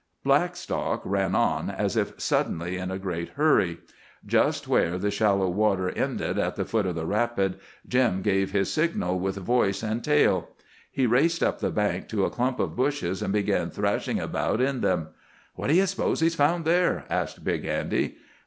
Blackstock ran on, as if suddenly in a great hurry. Just where the shallow water ended, at the foot of the rapid, Jim gave his signal with voice and tail. He raced up the bank to a clump of bushes and began thrashing about in them. "What d'ye suppose he's found there?" asked Big Andy.